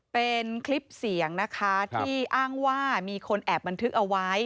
เป็นคลิปเสียงนะคะที่อ้างว่ามีคนแอบบันทึกเอาไว้